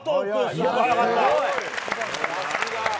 すごく早かった。